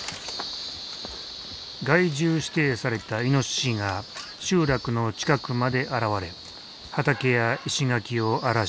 害獣指定されたイノシシが集落の近くまで現れ畑や石垣を荒らしていた。